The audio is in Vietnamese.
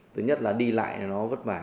thứ nhất là đi lại nó vất vả